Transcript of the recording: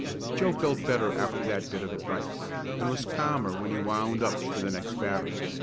Joe felt better after that bit of advice, and was calmer when he wound up for the next batter.